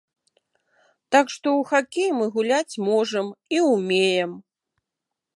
Так што ў хакей мы гуляць можам і ўмеем.